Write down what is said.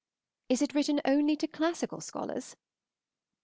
Is it written only to classical scholars?